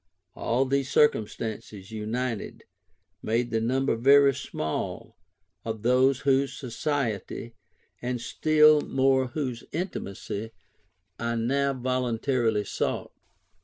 All these circumstances united, made the number very small of those whose society, and still more whose intimacy, I now voluntarily sought.